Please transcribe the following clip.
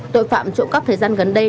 tội phạm trộm cắt thời gian gần đây